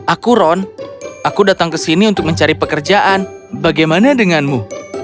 aku ron aku datang ke sini untuk mencari pekerjaan bagaimana denganmu